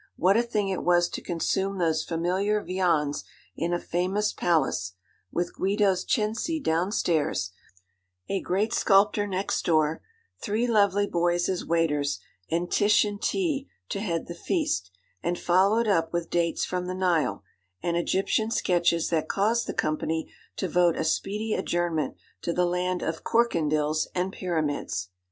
What a thing it was to consume those familiar viands in a famous palace, with Guido's Cenci downstairs, a great sculptor next door, three lovely boys as waiters, and 'Titian T.' to head the feast, and follow it up with dates from the Nile, and Egyptian sketches that caused the company to vote a speedy adjournment to the land 'of corkendills' and pyramids.